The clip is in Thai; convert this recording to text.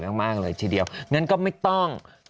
อย่างนี้เฉยเดียวงั้นก็ไม่ต้อง